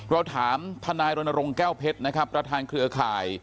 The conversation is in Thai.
เราถามทนายรณรงค์แก้วเพชรนะครับประธานเครือข่าย